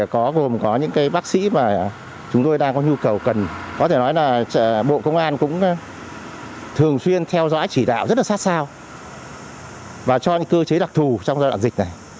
có gồm có những bác sĩ mà chúng tôi đang có nhu cầu cần có thể nói là bộ công an cũng thường xuyên theo dõi chỉ đạo rất là sát sao và cho những cơ chế đặc thù trong giai đoạn dịch này